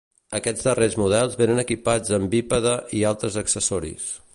Aquests darrers models vénen equipats amb bípede i altres accessoris.